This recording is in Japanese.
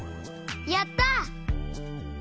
やった！